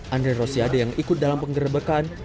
andre rosiade yang ikut dalam penggerbekan